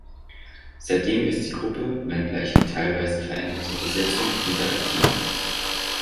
Seitdem ist die Gruppe, wenngleich in teilweise veränderter Besetzung, wieder aktiv.